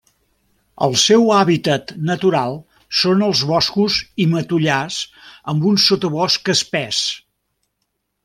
El seu hàbitat natural són els boscos i matollars amb un sotabosc espès.